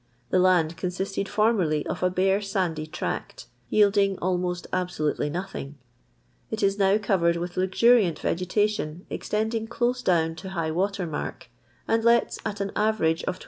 the land consisted formerly of a bare sandy trsct, yielding almost absolutely nothing; it is now covered with Inzu riant yegetation extending dose down to high water mark, and lets at an arerage of 20